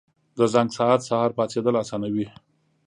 • د زنګ ساعت سهار پاڅېدل اسانوي.